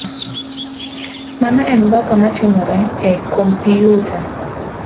Mano en mbaka matimore e kompyuta.